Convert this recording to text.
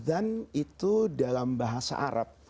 azan itu dalam bahasa arab